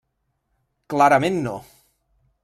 Clarament, no.